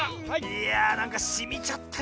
いやなんかしみちゃったよねえ。